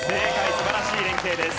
素晴らしい連携です。